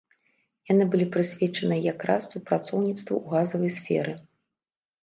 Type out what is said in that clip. Яны былі прысвечаныя якраз супрацоўніцтву ў газавай сферы.